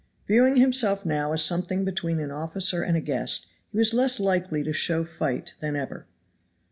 Viewing himself now as something between an officer and a guest he was less likely to show fight than ever.